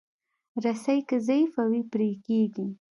رسۍ که ضعیفه وي، پرې کېږي.